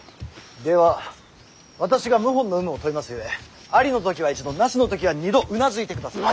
では私が謀反の有無を問いますゆえありの時は１度なしの時は２度うなずいてください。